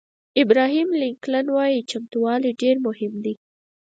ابراهیم لینکلن وایي چمتووالی ډېر مهم دی.